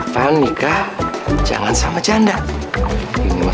taruh juga ke sini kok